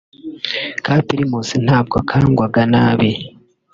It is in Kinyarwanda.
Ka primus ntabwo kangwaga nabi